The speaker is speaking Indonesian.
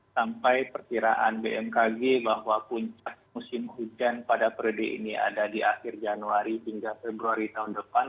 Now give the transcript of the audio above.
sampai perkiraan bmkg bahwa puncak musim hujan pada periode ini ada di akhir januari hingga februari tahun depan